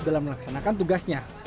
dalam melaksanakan tugasnya